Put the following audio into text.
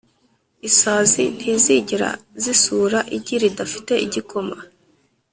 isazi ntizigera zisura igi ridafite igikoma